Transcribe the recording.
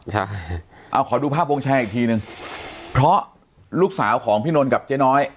ใช่เอาขอดูภาพวงแชร์อีกทีนึงเพราะลูกสาวของพี่นนท์กับเจ๊น้อย